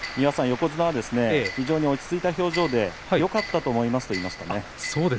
横綱は落ち着いた表情でよかったと思いますと言いましたね。